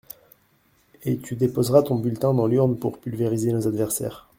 Et tu déposeras ton bulletin dans l'urne pour pulvériser nos adversaires.